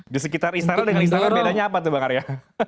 di sekitar istana dengan istana bedanya apa tuh bang arya